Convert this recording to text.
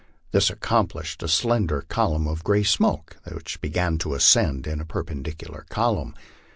This accomplished, a slender column of grav smoke began to ascend in a perpendicular column.